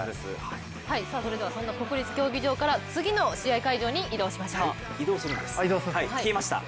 そんな国立競技場から次の試合会場に移動しましょう。